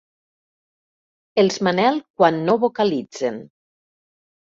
Els Manel quan no vocalitzen.